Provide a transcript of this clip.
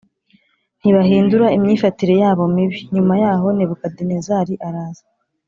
ntibahindura imyifatire yabo mibi Nyuma y aho Nebukadinezari araza